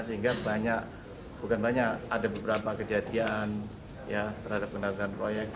sehingga banyak bukan banyak ada beberapa kejadian ya terhadap kendaraan proyek